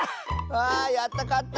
あやったかった！